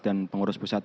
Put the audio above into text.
dan pengurus pusat